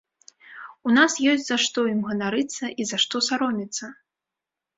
У нас ёсць за што ім ганарыцца і за што саромецца.